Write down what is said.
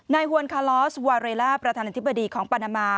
ฮวนคาลอสวาเรล่าประธานาธิบดีของปานามา